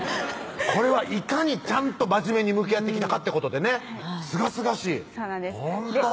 これはいかにちゃんと真面目に向き合ってきたかってことでねすがすがしいそうなんです